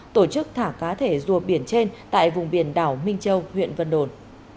tổ chức thả cá thể rùa biển trên tại vùng biển đảo minh châu huyện vân đồn